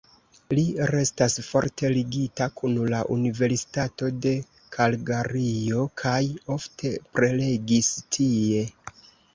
Li restas forte ligita kun la Universitato de Kalgario kaj ofte prelegis tie.